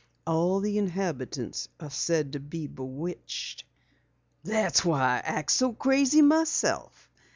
"All the inhabitants are said to be bewitched! That's why I act so crazy myself."